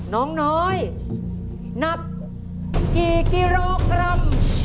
น้องน้อยหนักกี่กิโลกรัม